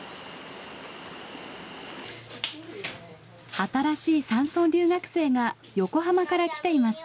新しい山村留学生が横浜から来ていました。